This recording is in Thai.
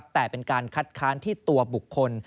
แต่เป็นการคัดค้านที่ตัวบุคคล